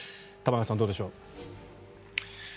玉川さん、どうでしょう。